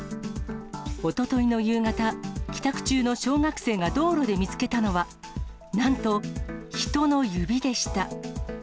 おとといの夕方、帰宅中の小学生が道路で見つけたのは、なんと人の指でした。